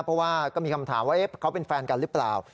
เพราะว่าก็มีคำถามว่าเขาเป็นแฟนกันหรือเปล่า